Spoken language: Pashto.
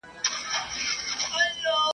هر ربات مو ګل غونډۍ کې هره دښته لاله زار کې !.